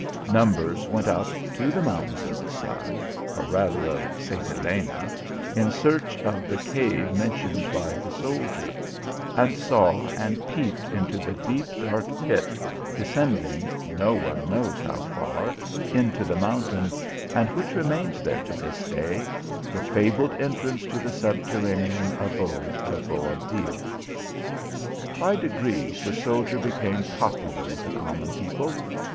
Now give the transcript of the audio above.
Numbers went up to the mountain of the Sun, or rather of St. Elena, in search of the cave mentioned by the soldier ; and saw and peeped into the deep dark pit, descending, no one knows hou far, into the mountain, and which remains there to this day, the fabled entrance to the subterranean abode of Boabdil. By degrees, the soldier became popular with the common people.